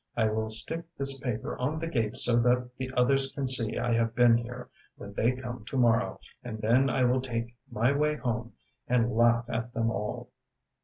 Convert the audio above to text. I will stick this paper on the gate so that the others can see I have been here when they come to morrow, and then I will take my way home and laugh at them all.